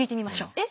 えっ。